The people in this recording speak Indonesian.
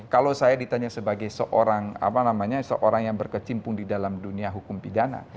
kalau saya ditanya sebagai seorang yang berkecimpung di dalam dunia hukum pidana